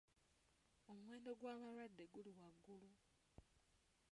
Omuwendo gw'abalwadde guli waggulu.